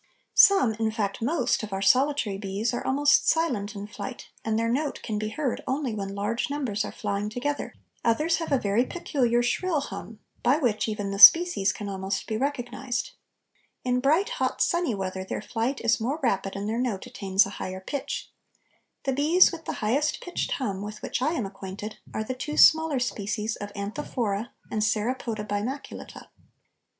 Some, in fact most, of our solitary bees are almost silent in flight, and their note can be heard only when large numbers are flying together; others have a very peculiar shrill hum, by which even the species can almost be recognized. In bright, hot, sunny weather their flight is more rapid and their note attains a higher pitch. The bees with the highest pitched hum with which I am acquainted are the two smaller species of Anthophora and Saropoda bimaculata.